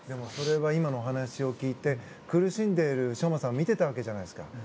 今のお話を聞いて苦しんでいる昌磨さんを見てたわけじゃないですか。